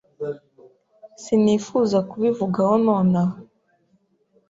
sinifuza kubivugaho nonaha.